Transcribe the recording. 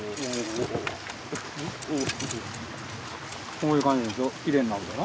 こういう感じできれいになるじゃろ？